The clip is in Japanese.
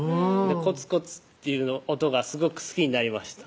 コツコツっていう音がすごく好きになりました